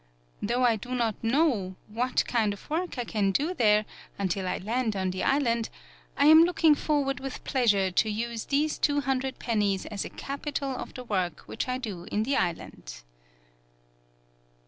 Though I do not know what 14 TAKASE BUNE kind of work I can do there, until I land on the island, I am looking forward with pleasure to use these two hundred pennies as a capital of the work which I do in the island."